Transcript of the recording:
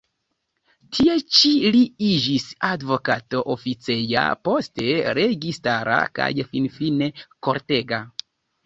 Tie ĉi li iĝis advokato oficeja, poste registara kaj finfine kortega.